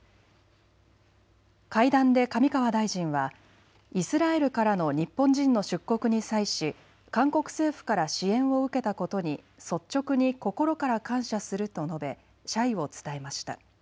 会談で上川大臣はイスラエルからの日本人の出国に際し韓国政府から支援を受けたことに率直に心から感謝すると述べ謝意を伝えました。